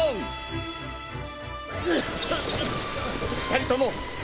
２人とも！